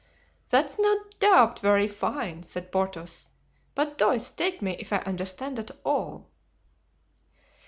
"That's no doubt very fine," said Porthos; "but deuce take me if I understand at all."